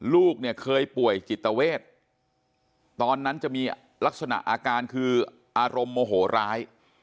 ลูกเนี่ยเคยป่วยจิตเวทตอนนั้นจะมีลักษณะอาการคืออารมณ์โมโหร้าย